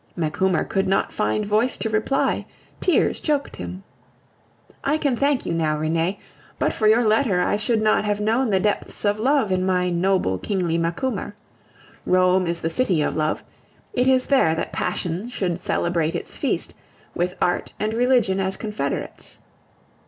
Macumer could not find voice to reply, tears choked him. I can thank you now, Renee. But for your letter I should not have known the depths of love in my noble, kingly Macumer. Rome is the city of love; it is there that passion should celebrate its feast, with art and religion as confederates.